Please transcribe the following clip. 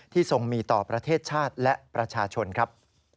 ทรงมีต่อประเทศชาติและประชาชนครับ